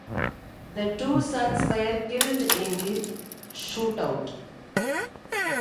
The two sons were killed in the shootout.